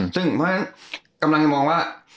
เพราะฉะนั้นกำลังจะมองว่า